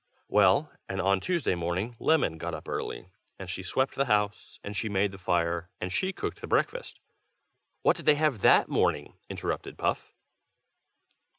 "Well, and on Tuesday morning Lemon got up early. And she swept the house, and she made the fire, and she cooked the breakfast " "What did they have that morning?" interrupted Puff.